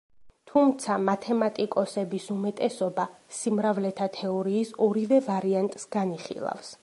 თუმცა მათემატიკოსების უმეტესობა სიმრავლეთა თეორიის ორივე ვარიანტს განიხილავს.